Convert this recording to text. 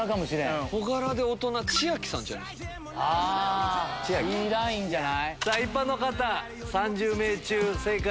いいラインじゃない？